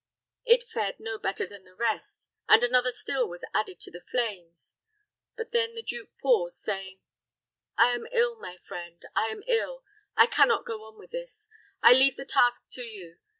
It fared no better than the rest, and another still was added to the flames. But then the duke paused, saying, "I am ill, my friend I am ill. I can not go on with this. I leave the task to you.